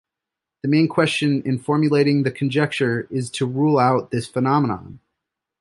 The main question in formulating the conjecture is to rule out this phenomenon.